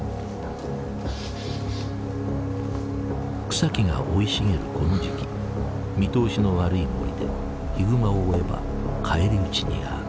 草木が生い茂るこの時期見通しの悪い森でヒグマを追えば返り討ちに遭う。